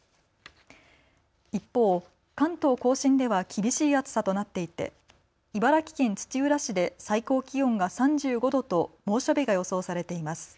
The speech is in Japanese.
一方、関東甲信では厳しい暑さとなっていて茨城県土浦市で最高気温が３５度と猛暑日が予想されています。